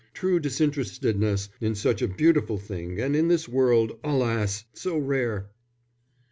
True disinterestedness is such a beautiful thing, and in this world, alas! so rare."